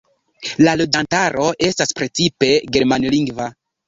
La loĝantaro estas precipe germanlingva.